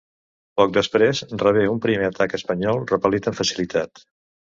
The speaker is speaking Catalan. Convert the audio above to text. Poc després rebé un primer atac espanyol, repel·lit amb facilitat.